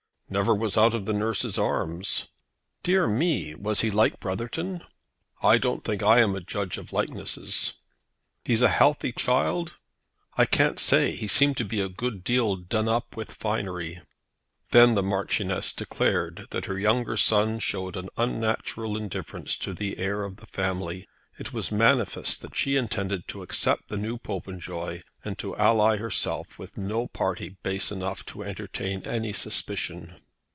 "Never was out of the nurse's arms." "Dear me! Was he like Brotherton?" "I don't think I am a judge of likenesses." "He's a healthy child?" "I can't say. He seemed to be a good deal done up with finery." Then the Marchioness declared that her younger son showed an unnatural indifference to the heir of the family. It was manifest that she intended to accept the new Popenjoy, and to ally herself with no party base enough to entertain any suspicion.